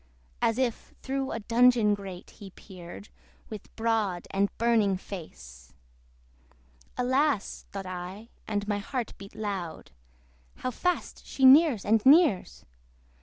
As if through a dungeon grate he peered, With broad and burning face. Alas! (thought I, and my heart beat loud) How fast she nears and nears!